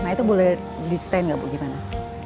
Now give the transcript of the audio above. dua ribu enam belas itu boleh disertai nggak ibu gimana